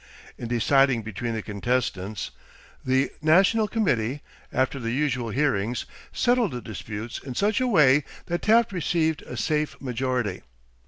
In deciding between the contestants the national committee, after the usual hearings, settled the disputes in such a way that Taft received a safe majority.